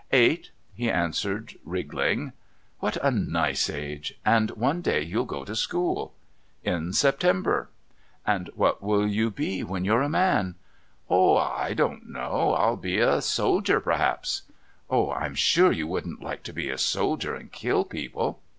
"Eight," he answered, wriggling. "What a nice age! And one day you'll go to school?" "In September." "And what will you be when you're a man?" "Oh, I don't know. I'll be a soldier, perhaps." "Oh, I'm sure you wouldn't like to be a soldier and kill people."